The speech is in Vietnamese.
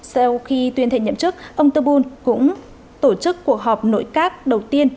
sau khi tuyên thệ nhậm chức ông terbul cũng tổ chức cuộc họp nội các đầu tiên